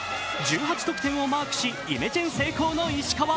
１８得点をマークし、イメチェン成功の石川。